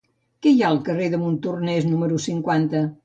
Què hi ha al carrer de Montornès número cinquanta?